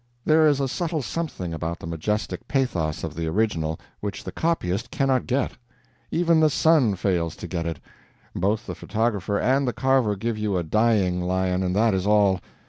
There is a subtle something about the majestic pathos of the original which the copyist cannot get. Even the sun fails to get it; both the photographer and the carver give you a dying lion, and that is all.